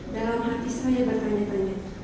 dalam hati saya bertanya tanya